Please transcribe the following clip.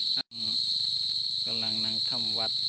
กำลังนั่งทำวัด